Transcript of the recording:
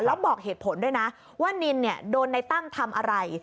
แล้วบอกเหตุผลด้วยนะว่านินเนี่ยโดนในตั้มทำอะไร